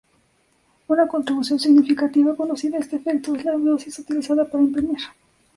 Una contribución significativa conocida a este efecto es la dosis utilizada para imprimir.